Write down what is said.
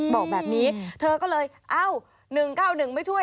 บอกแบบนี้เธอก็เลยเอ้า๑๙๑ไม่ช่วย